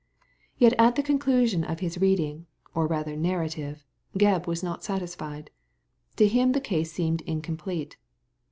Yet at the conclusion of his reading, or rather narrative, Gebb was not satisfied. To him the case seemed incomplete.